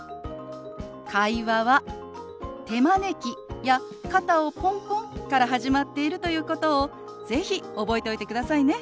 会話は手招きや肩をポンポンから始まっているということを是非覚えておいてくださいね。